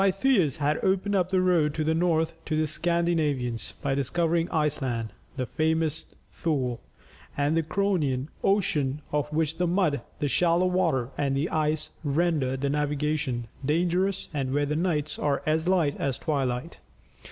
Pytheas had opened up the road to the north to the Scandinavians by discovering Iceland (the famous Thule) and the Cronian Ocean, of which the mud, the shallow water, and the ice render the navigation dangerous, and where the nights are as light as twilight.